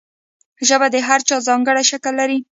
ژبه د هر چا ځانګړی شکل لري.